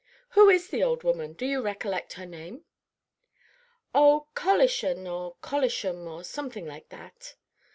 Who is the old woman? Do you recollect her name?" "Oh, Collishan or Collisham, some name like that.